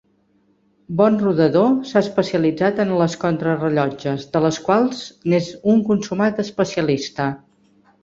Bon rodador, s'ha especialitzat en les contrarellotges, de les quals n'és un consumat especialista.